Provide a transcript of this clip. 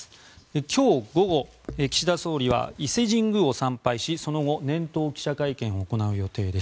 今日午後、岸田総理は伊勢神宮を参拝しその後、年頭記者会見を行う予定です。